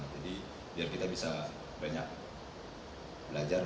jadi biar kita bisa banyak belajar